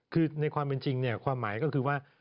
คือในความเป็นจริงความหมายก็คือว่า